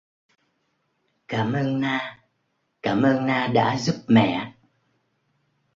Cảm ơn Na Cảm ơn Na đã giúp mẹ